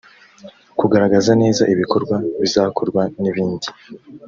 kugaragaza neza ibikorwa bizakorwa n’ibindi